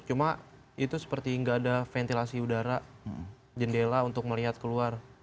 cuma itu seperti nggak ada ventilasi udara jendela untuk melihat keluar